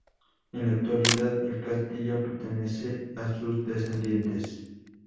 En la actualidad, el castillo pertenece a sus descendientes.